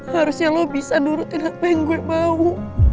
harusnya lo bisa nurutin apa yang gue mau